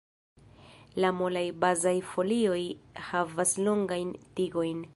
La molaj bazaj folioj havas longajn tigojn.